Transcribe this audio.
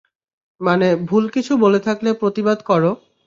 মানে, ভুল কিছু বলে থাকলে প্রতিবাদ করো।